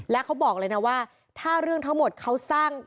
และเขาบอกเลยนะว่าถ้าเรื่องทั้งหมดเขาสร้าง